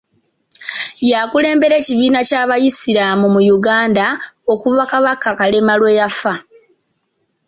Yakulembera ekibiina kya Baislaamu mu Uganda okuva Kabaka Kalema lwe yafa.